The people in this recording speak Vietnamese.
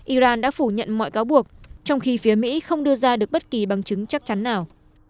iran đã phủ nhận mọi cáo buộc trong khi phía mỹ không đưa ra được bất kỳ bằng chứng chắc chắn nào